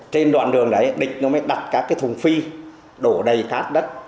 trên đoạn đường đấy địch nó mới đặt các cái thùng phi đổ đầy khát đất